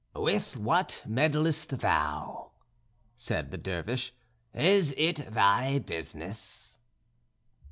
"With what meddlest thou?" said the Dervish; "is it thy business?"